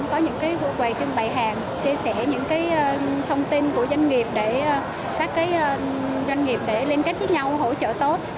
có những quầy trưng bày hàng chia sẻ những thông tin của doanh nghiệp để các doanh nghiệp để liên kết với nhau hỗ trợ tốt